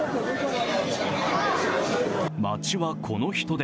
街はこの人出。